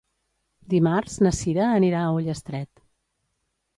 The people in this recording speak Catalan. Dimarts na Sira anirà a Ullastret.